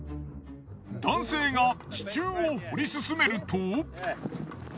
男性が地中を掘り進めると。